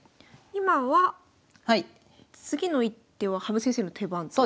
今は次の一手は羽生先生の手番と。